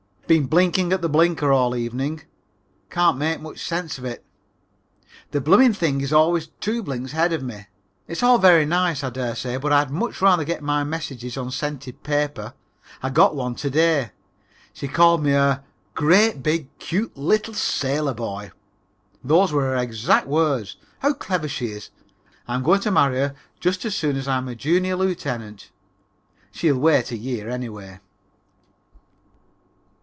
Been blinking at the blinker all evening. Can't make much sense out of it. The bloomin' thing is always two blinks ahead of me. It's all very nice, I dare say, but I'd much rather get my messages on scented paper. I got one to day. She called me her "Great, big, cute little sailor boy." Those were her exact words. How clever she is. I'm going to marry her just as soon as I'm a junior lieutenant. She'll wait a year, anyway.